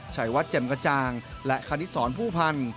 ชายวัดเจมส์กระจางและคณิตศรผู้พันธ์